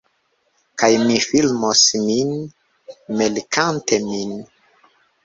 Kaj mi filmos min melkante min